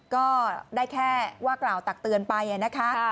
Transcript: ก็ได้แค่ว่ากล่าวตักเตือนไปนะคะ